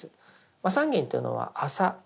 麻三斤というのは麻。